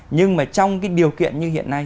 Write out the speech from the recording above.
nhưng mà trong cái điều kiện như hiện nay